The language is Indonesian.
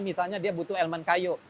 misalnya butuh elemen kayu